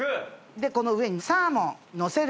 でこの上にサーモンのせる